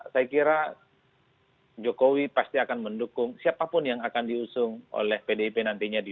saya kira jokowi pasti akan mendukung siapapun yang akan diusung oleh pdip nantinya di dua ribu dua puluh empat